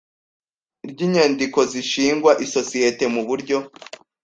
ry inyandiko z ishingwa isosiyete mu buryo